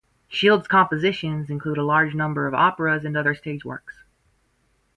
Shield's compositions include a large number of operas and other stage works.